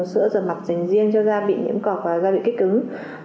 dùng sữa rửa mặt dành riêng cho da bị nhiễm corticoid và da bị kích cứng